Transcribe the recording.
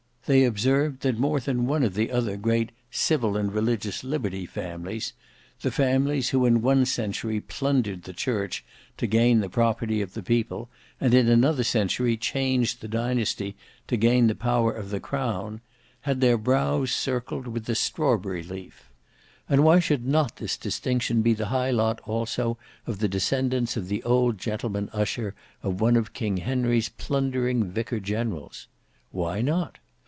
They observed that more than one of the other great "civil and religious liberty" families,—the families who in one century plundered the church to gain the property of the people, and in another century changed the dynasty to gain the power of the crown,—had their brows circled with the strawberry leaf. And why should not this distinction be the high lot also of the descendants of the old gentleman usher of one of King Henry's plundering vicar generals? Why not?